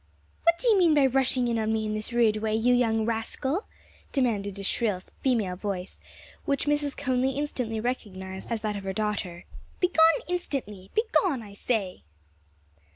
"What do you mean by rushing in on me in this rude way, you young rascal?" demanded a shrill female voice, which Mrs. Conly instantly recognized as that of her daughter. "Begone instantly! begone, I say!"